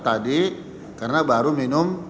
tadi karena baru minum